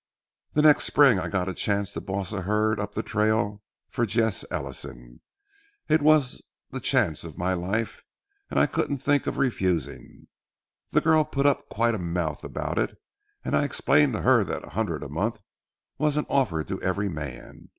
"The next spring I got a chance to boss a herd up the trail for Jesse Ellison. It was the chance of my life and I couldn't think of refusing. The girl put up quite a mouth about it, and I explained to her that a hundred a month wasn't offered to every man.